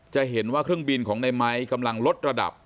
จะเห็นว่าเครื่องบินของในไม้กำลังลดระดับ